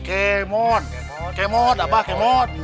kemot kemot abah kemot